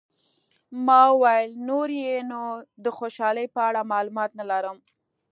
ما وویل، نور یې نو د خوشحالۍ په اړه معلومات نه لرم.